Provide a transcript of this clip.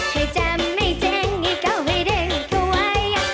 ใครจะไม่เจ๋งให้เขาให้เดินเข้าไหว